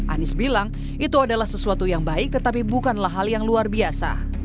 anies bilang itu adalah sesuatu yang baik tetapi bukanlah hal yang luar biasa